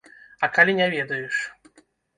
А калі не ведаеш?